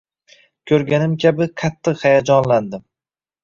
Ko’rganim kabi qattiq hayajonlandim.